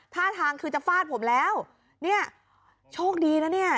ท่าทางคือจะฟาดผมแล้วเนี่ยโชคดีนะเนี่ย